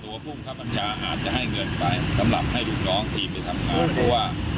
ว่าคนที่สวยคือคนที่รับโอนไปตรงนะฮะ